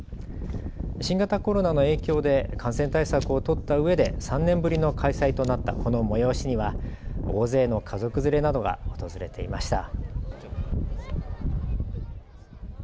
新型コロナの影響で感染対策を取ったうえで３年ぶりの開催となったこの催しには大勢の家族連れなどが訪れていました。